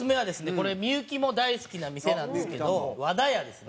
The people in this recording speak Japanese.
これ幸も大好きな店なんですけど和田屋ですね。